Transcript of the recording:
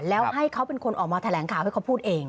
แล้วให้เขาเป็นคนออกมาแถลงข่าวให้เขาพูดเอง